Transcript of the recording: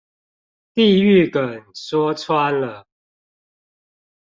地獄梗說穿了